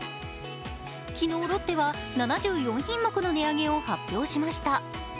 昨日ロッテは７４品目の値上げを発表しました。